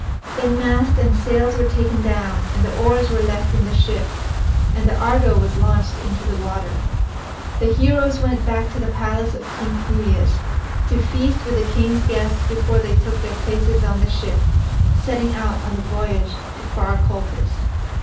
Then mast and sails were taken down and the oars were left in the ship, and the Argo was launched into the water. The heroes went back to the palace of King Pelias to feast with the king's guests before they took their places on the ship, setting out on the voyage to far Colchis.